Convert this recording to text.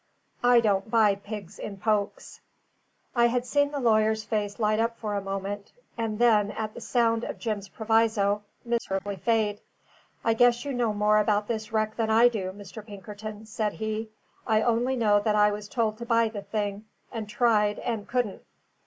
I don't buy pigs in pokes." I had seen the lawyer's face light up for a moment, and then, at the sound of Jim's proviso, miserably fade. "I guess you know more about this wreck than I do, Mr. Pinkerton," said he. "I only know that I was told to buy the thing, and tried, and couldn't."